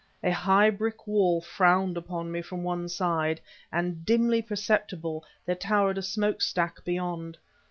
A high brick wall frowned upon me from one side, and, dimly perceptible, there towered a smoke stack, beyond.